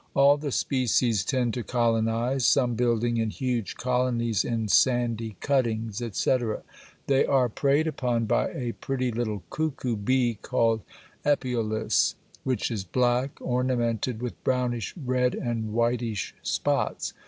All the species tend to colonize; some building in huge colonies in sandy cuttings, etc. They are preyed upon by a pretty little cuckoo bee called Epeolus (pl. B, 19), which is black, ornamented with brownish red and whitish spots.